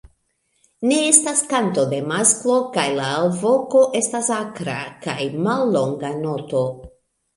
Ne estas kanto de masklo kaj la alvoko estas akra kaj mallonga noto.